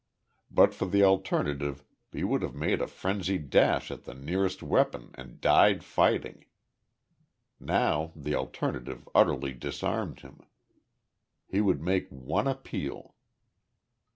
But for the alternative he would have made a frenzied dash at the nearest weapon and died fighting. Now, the alternative utterly disarmed him. He would make one appeal.